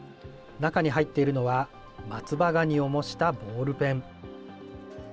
中に入っているのは、松葉ガニを模したボールペン。